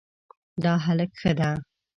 دا هلک ښه ده